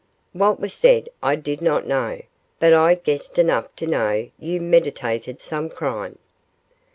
What was said I did not know, but I guessed enough to know you meditated some crime.